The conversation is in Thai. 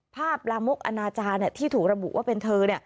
ลามกอนาจารย์ที่ถูกระบุว่าเป็นเธอ